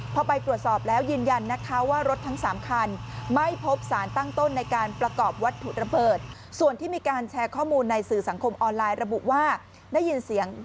พอไปตรวจสอบแล้วยืนยันนะคะว่ารถทั้งสามคันไม่พบสารตั้งต้นในการประกอบวัตถุระเบิด